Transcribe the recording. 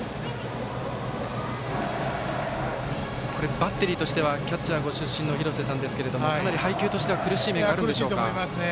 バッテリーとしてはキャッチャーご出身の廣瀬さんですがかなり配球としては苦しいと思いますね。